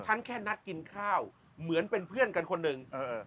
แค่นัดกินข้าวเหมือนเป็นเพื่อนกันคนหนึ่ง